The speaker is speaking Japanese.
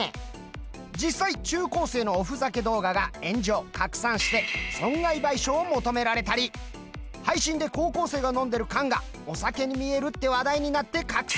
実際中高生のおふざけ動画が炎上拡散して損害賠償を求められたり配信で高校生が飲んでる缶がお酒に見えるって話題になって拡散。